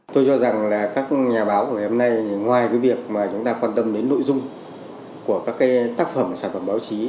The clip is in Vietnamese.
tôi cho rằng là các nhà báo ngày hôm nay ngoài việc chúng ta quan tâm đến nội dung của các tác phẩm sản phẩm báo chí